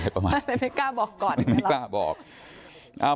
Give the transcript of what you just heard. แบบมันไม่กล้าบอกก่อน